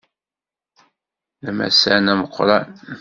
D amassan ameqqran.